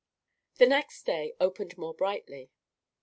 The next day opened more brightly.